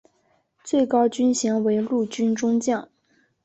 最高军衔为陆军中将。